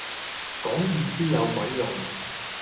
講意思有鬼用